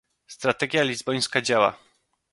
strategia lizbońska działa